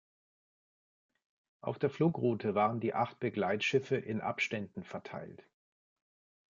Auf der Flugroute waren die acht Begleitschiffe in Abständen verteilt.